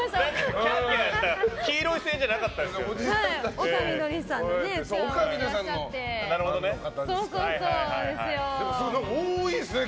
黄色い声援じゃなかったですけどね。